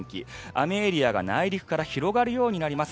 雨エリアが内陸から広がるようになります。